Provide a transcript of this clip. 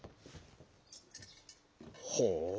「ほう。